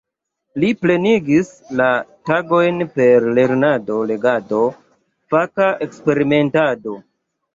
Li plenigis la tagojn per lernado, legado, faka eksperimentado.